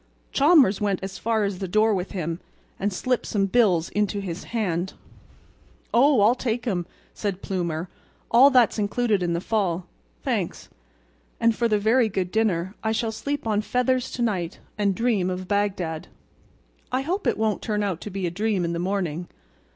Chalmers went as far as the door with him and slipped some bills into his hand. "Oh! I'll take 'em," said Plumer. "All that's included in the fall. Thanks. And for the very good dinner. I shall sleep on feathers to night and dream of Bagdad. I hope it won't turn out to be a dream in the morning.